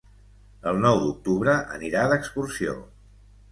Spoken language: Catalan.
El nou d'octubre anirà d'excursió.